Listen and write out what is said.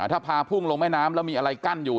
ถ้าพาพุ่งลงแม่น้ำแล้วมีอะไรกั้นอยู่